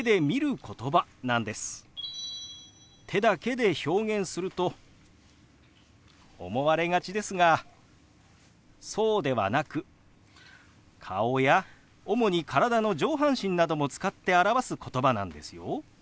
手だけで表現すると思われがちですがそうではなく顔や主に体の上半身なども使って表すことばなんですよ。